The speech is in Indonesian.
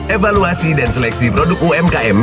evaluasi dan seleksi produk umkm